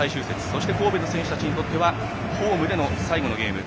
そして神戸の選手たちにとってはホームでの最後のゲーム。